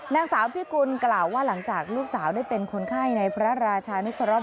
นางสาวพิกุลกล่าวว่าหลังจากลูกสาวได้เป็นคนไข้ในพระราชานุเคราะห